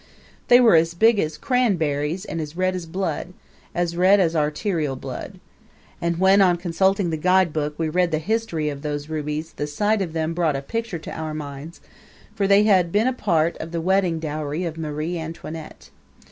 They were as big as cranberries and as red as blood as red as arterial blood. And when, on consulting the guidebook, we read the history of those rubies the sight of them brought a picture to our minds, for they had been a part of the wedding dowry of Marie Antoinette.